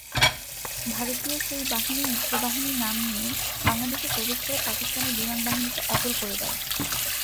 ভারতীয় সেই বাহিনী মিত্রবাহিনী নাম নিয়ে বাংলাদেশে প্রবেশ করে পাকিস্তানের বিমানবাহিনীকে অচল করে দেয়।